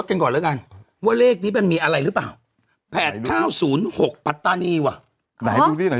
เขาไปเอารถใครมา